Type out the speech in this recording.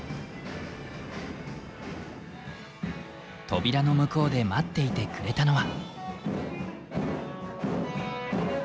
扉の向こうで待っていてくれたのは。